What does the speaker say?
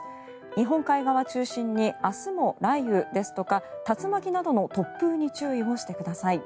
日本海側中心に明日も雷雨ですとか竜巻などの突風に注意をしてください。